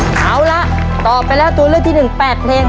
เอาละตอบไปแล้วตัวเลือกที่๑๘เพลง